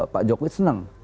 pak jokowi seneng